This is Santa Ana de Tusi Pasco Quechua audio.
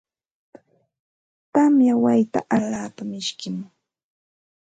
Tamya wayta alaapa mishkim.